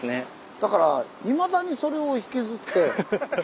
だからいまだにそれを引きずって。